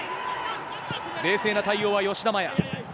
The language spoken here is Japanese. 冷静な対応は吉田麻也。